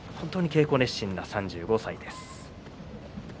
稽古熱心な３５歳です。